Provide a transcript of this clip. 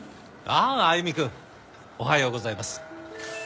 ああ歩くんおはようございます。